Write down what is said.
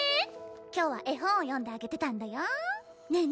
今日は絵本を読んであげてたんだよねえね